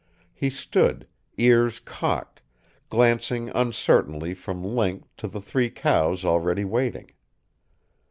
He stood, ears cocked, glancing uncertainly from Link to the three cows already waiting.